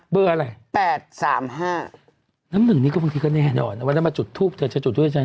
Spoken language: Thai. เบอร์อะไร๘๓๕น้ำหนึ่งนี่ก็บางทีก็แน่นอนวันนั้นมาจุดทูปเธอจะจุดด้วยฉัน